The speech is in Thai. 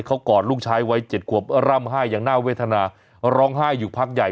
เขากอดลูกชายวัย๗ขวบร่ำไห้อย่างน่าเวทนาร้องไห้อยู่พักใหญ่